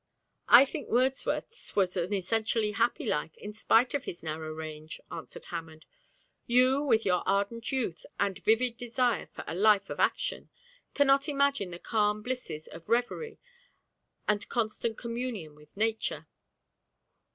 'I think Wordsworth's was an essentially happy life, in spite of his narrow range,' answered Hammond. 'You, with your ardent youth and vivid desire for a life of action, cannot imagine the calm blisses of reverie and constant communion with nature.